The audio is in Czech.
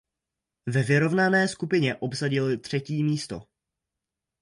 Ve vyrovnané skupině obsadili třetí místo.